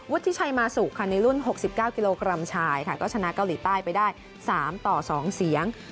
ทิชัยมาสุค่ะในรุ่น๖๙กิโลกรัมชายค่ะก็ชนะเกาหลีใต้ไปได้๓ต่อ๒เสียง